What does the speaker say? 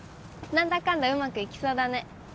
何だかんだうまくいきそうだね